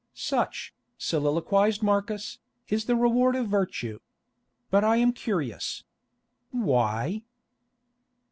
"Such," soliloquised Marcus, "is the reward of virtue. But I am curious. Why?"